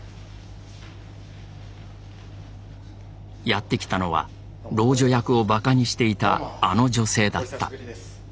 やって来たのは老女役をばかにしていたあの女性だった。